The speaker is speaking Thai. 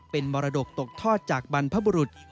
เป็นมรดกตกทอดจากบรรพบุรุษ